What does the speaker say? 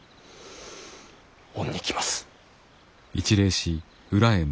恩に着ます。